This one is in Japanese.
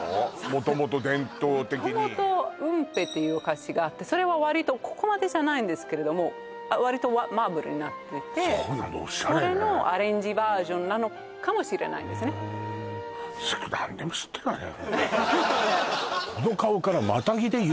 元々伝統的に元々雲平っていうお菓子があってそれは割とここまでじゃないんですけれども割とマーブルになっててそうなのオシャレねそれのアレンジバージョンなのかもしれないですねいやビックリしたわよ